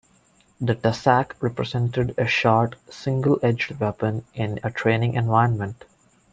The dussack represented a short, single-edged weapon in a training environment.